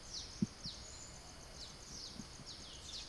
游戏分为单人游戏模式和对战模式。